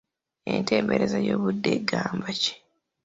Entembereeza y’obudde egamba ki?